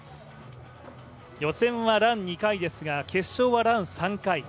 予選はラン２回ですが、決勝はラン３回。